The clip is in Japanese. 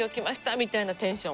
みたいなテンション。